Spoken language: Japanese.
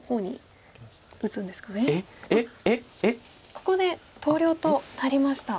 ここで投了となりました。